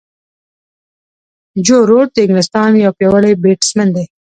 جو روټ د انګلستان یو پیاوړی بیټسمېن دئ.